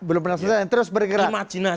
belum pernah selesai terus bergerak